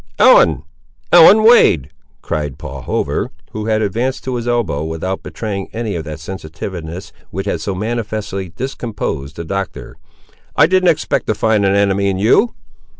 "Ellen! Ellen Wade," cried Paul Hover, who had advanced to his elbow, without betraying any of that sensitiveness which had so manifestly discomposed the Doctor; "I didn't expect to find an enemy in you!"